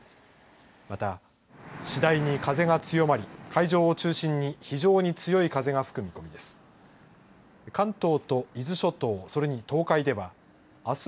また、次第に風が強まり海上を中心に非常に強い風が吹く見込みです。